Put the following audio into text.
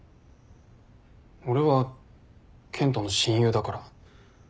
俺は健人の親友だから。